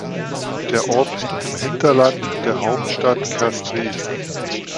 Der Ort liegt im Hinterland der Hauptstadt Castries.